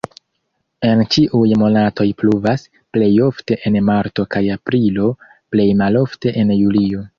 En ĉiuj monatoj pluvas, plej ofte en marto kaj aprilo, plej malofte en julio.